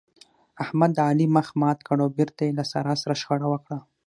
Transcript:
احمد د علي مخ مات کړ او بېرته يې له سارا سره شخړه وکړه.